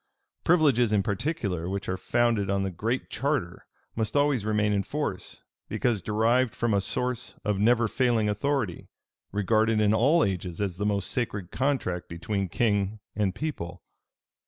Privileges in particular, which are founded on the Great Charter, must always remain in force, because derived from a source of never failing authority, regarded in all ages as the most sacred contract between king and people.